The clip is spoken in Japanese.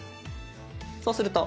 そうすると。